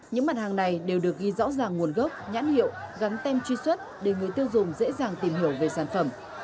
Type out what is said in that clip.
những mặt hàng này đều được ghi rõ ràng nguồn gốc nhãn hiệu gắn tem truy xuất để người tiêu dùng dễ dàng tìm hiểu về sản phẩm